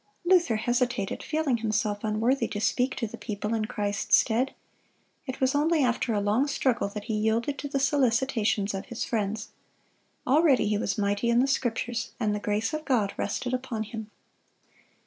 Luther hesitated, feeling himself unworthy to speak to the people in Christ's stead. It was only after a long struggle that he yielded to the solicitations of his friends. Already he was mighty in the Scriptures, and the grace of God rested upon him.